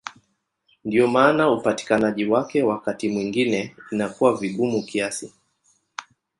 Ndiyo maana upatikanaji wake wakati mwingine inakuwa vigumu kiasi.